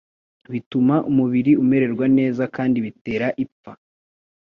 bituma umubiri umererwa neza, kandi bitera ipfa.